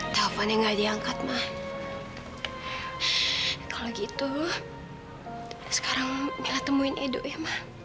sampai jumpa di video selanjutnya